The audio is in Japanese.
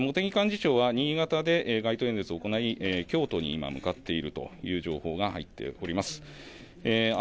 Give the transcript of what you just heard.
茂木幹事長は新潟で街頭演説を行い京都に今向かっているという情報が入っております。